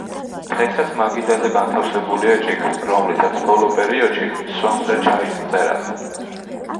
დღესაც მაგიდაზე განთავსებულია ჭიქა, რომლითაც ბოლო პერიოდში სვამდა ჩაის მწერალი.